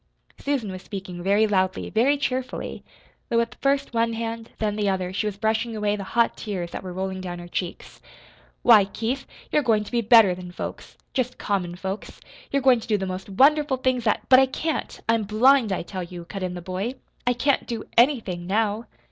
Susan was speaking very loudly, very cheerfully though with first one hand, then the other, she was brushing away the hot tears that were rolling down her cheeks. "Why, Keith, you're goin' to be better than folks jest common folks. You're goin' to do the most wonderful things that " "But I can't I'm blind, I tell you!" cut in the boy. "I can't do anything, now."